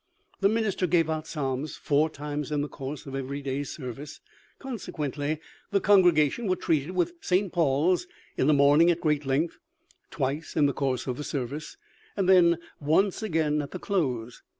The minister gave out psalms four times in the course of every day's service; consequently the congregation were treated with St. Paul's in the morning at great length, twice in the course of the service, and then once again at the close.